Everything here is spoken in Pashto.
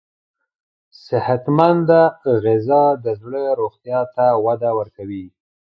صحتمند غذا د زړه روغتیا ته وده ورکوي.